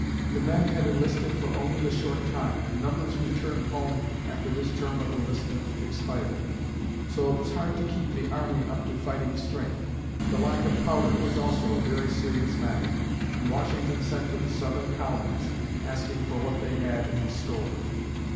The men had enlisted for only a short time and numbers returned home after this term of enlistment expired; so it was hard to keep the army up to fighting strength. The lack of powder was also a very serious matter and Washington sent to the southern colonies, asking for what they had in store.